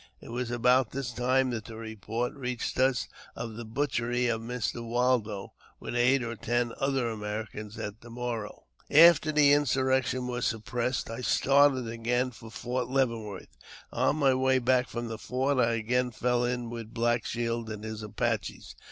It was about this time that the report reached us of the butchery of Mr. Waldo, with eight or ten other Americans, at the Moro. After the insurrection was suppressed I started again for Fort Leavenworth. On my way back from the fort I again fell in with Black Shield and his Apaches.